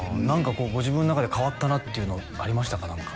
何かご自分の中で変わったなっていうのありましたか？